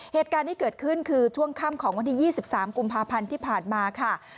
เหตุการณ์ที่เกิดขึ้นคือช่วงค่ำของวันที่๒๓กุมภาพันธ์ที่ผ่านมาค่ะ